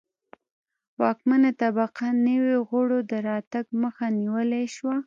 واکمنه طبقه نویو غړو د راتګ مخه نیولای شوه